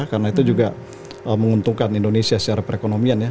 karena itu juga menguntungkan indonesia secara perekonomian ya